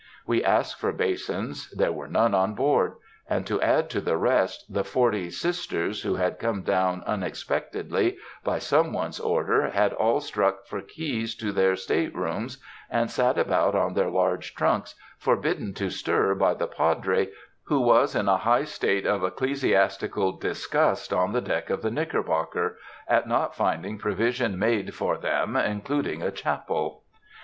We asked for basins; there were none on board; and to add to the rest, the forty "Sisters," who had come down unexpectedly, by some one's order, had all struck for keys to their state rooms, and sat about on their large trunks, forbidden to stir by the Padre, who was in a high state of ecclesiastical disgust on the deck of the Knickerbocker, at not finding provision made for them, including a chapel.